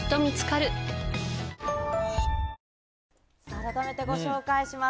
改めてご紹介します。